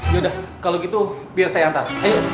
yaudah kalo gitu biar saya hantar